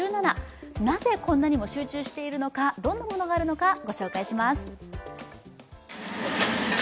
なぜこんなにも集中しているのか、どんなものがあるのか御紹介します。